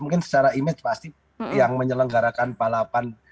mungkin secara image pasti yang menyelenggarakan balapan